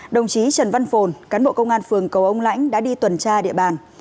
đồng chí trần văn phồn cán bộ công an phường cầu ông lãnh đã đi tuần tra địa bàn